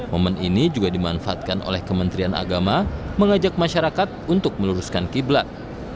momen ini juga dimanfaatkan oleh kementerian agama mengajak masyarakat untuk meluruskan kiblat